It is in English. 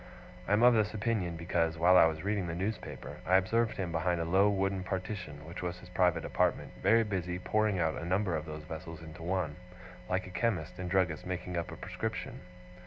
I am of this opinion, because, while I was reading the newspaper, I observed him behind a low wooden partition, which was his private apartment, very busy pouring out of a number of those vessels into one, like a chemist and druggist making up a prescription.